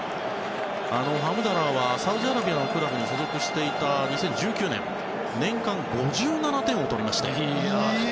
ハムダラーはサウジアラビアのクラブに所属していた２０１９年年間５７点を取りまして。